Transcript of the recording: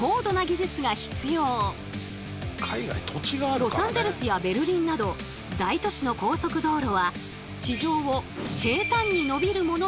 ロサンゼルスやベルリンなど大都市の高速道路は地上を平たんに伸びるものがほとんど。